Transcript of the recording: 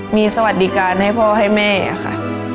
มีสวัสดิการให้พ่อให้แม่ค่ะ